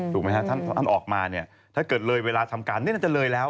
ถูกไหมฮะท่านออกมาเนี่ยถ้าเกิดเลยเวลาทำการนี่น่าจะเลยแล้ว